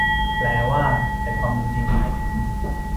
แปลว่า แต่ความเป็นจริงหมายถึง